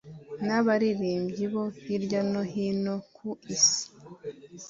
n'abaririmbyi bo hirya no hino ku isi